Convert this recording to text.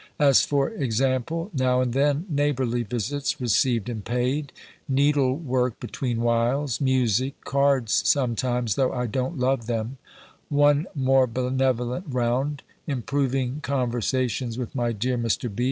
As for example, now and then neighbourly visits received and paid Needlework between whiles Music Cards sometimes, though I don't love them One more benevolent round Improving conversations with my dear Mr. B.